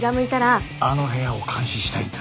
あの部屋を監視したいんだ。